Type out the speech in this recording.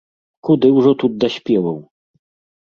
Куды ўжо тут да спеваў!